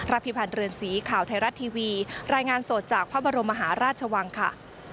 พิพันธ์เรือนสีข่าวไทยรัฐทีวีรายงานสดจากพระบรมมหาราชวังค่ะ